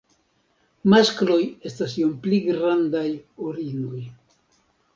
Maskloj estas iom pli grandaj ol inoj.